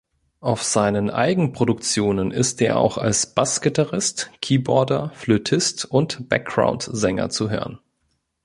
Auf seinen Eigenproduktionen ist er auch als Bassgitarrist, Keyboarder, Flötist und Background-Sänger zu hören.